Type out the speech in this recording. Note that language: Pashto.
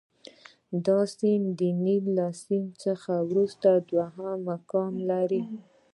دا سیند د نیل له سیند څخه وروسته دوهم مقام لري.